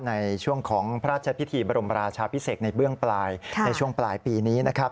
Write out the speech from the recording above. ในช่วงของพระราชพิธีบรมราชาพิเศษในเบื้องปลายในช่วงปลายปีนี้นะครับ